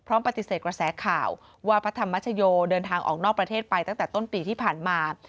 ปฏิเสธกระแสข่าวว่าพระธรรมชโยเดินทางออกนอกประเทศไปตั้งแต่ต้นปีที่ผ่านมา